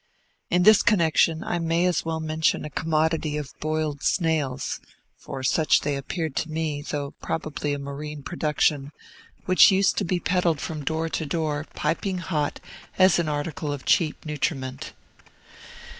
In this connection I may as well mention a commodity of boiled snails (for such they appeared to me, though probably a marine production) which used to be peddled from door to door, piping hot, as an article of cheap nutriment.